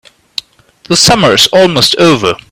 The summer is almost over.